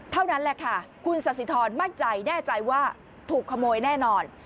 เท่านั้นแหละค่ะคุณสัสสิทรมั่นใจแน่ใจว่าถูกขโมยแน่นอน